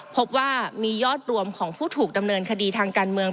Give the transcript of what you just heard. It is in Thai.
พบว่ามียอดรวมของผู้ถูกดำเนินคดีทางการเมือง